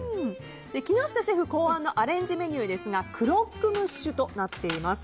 木下シェフ考案のアレンジレシピはクロックムッシュとなっています。